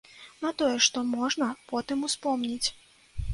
На тое, што можна потым успомніць.